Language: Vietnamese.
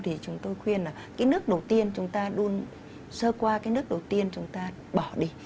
thì chúng tôi khuyên là cái nước đầu tiên chúng ta luôn sơ qua cái nước đầu tiên chúng ta bỏ đi